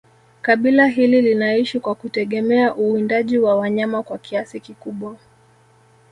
Kabila hili linaishi kwa kutegemea uwindaji wa wanyama kwa kiasi kikubwa